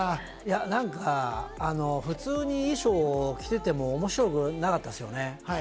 いやなんか普通に衣装を着ていても面白くなかったんですよね。